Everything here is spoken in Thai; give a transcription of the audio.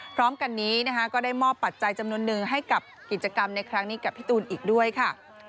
พร้อมกันนี้นะคะก็ได้มอบปัจจัยจำนวนนึงให้กับกิจกรรมในครั้งนี้กับพี่ตูนอีกด้วยค่ะ